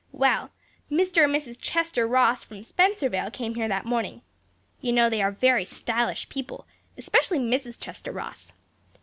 Well, Mr. and Mrs. Chester Ross from Spencervale came here that morning. You know they are very stylish people, especially Mrs. Chester Ross.